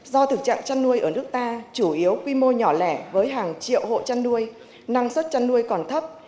do thực trạng chăn nuôi ở nước ta chủ yếu quy mô nhỏ lẻ với hàng triệu hộ chăn nuôi năng suất chăn nuôi còn thấp